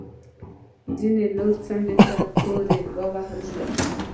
ځینې نور څنډې ته پورې ووهل شول